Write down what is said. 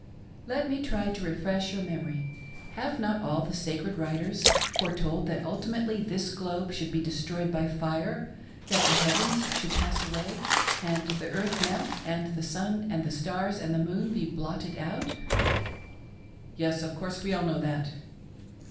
M. : Let me try to refresh your memory. Have not all the sacred writers foretold that ultimately this globe should be destroyed by fire, that the heavens should pass away, and the earth melt,, and the sun, and the stars, and the moon be blot ted out .' Z. P. : Yes, of course, we all know that.